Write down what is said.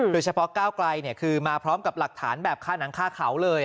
เฉพาะก้าวไกลคือมาพร้อมกับหลักฐานแบบค่าหนังฆ่าเขาเลย